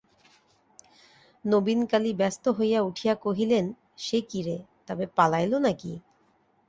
নবীনকালী ব্যস্ত হইয়া উঠিয়া কহিলেন, সে কী রে, তবে পালাইল নাকি?